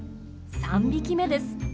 ３匹目です。